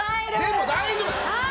でも大丈夫です！